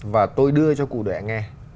và tôi đưa cho cụ đệ nghe